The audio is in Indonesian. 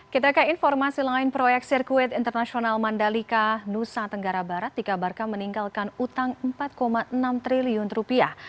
kita ke informasi lain proyek sirkuit internasional mandalika nusa tenggara barat dikabarkan meninggalkan utang empat enam triliun rupiah